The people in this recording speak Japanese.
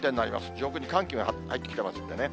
上空に寒気が入ってきてますんでね。